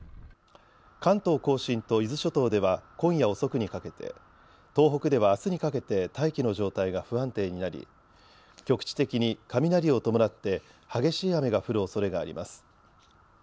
関東甲信と伊豆諸島では今夜遅くにかけて、東北ではあすにかけて大気の状態が不安定になり局地的に雷を伴って激しい雨が降るおそれがあります。